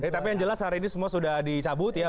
tapi yang jelas hari ini semua sudah dicabut ya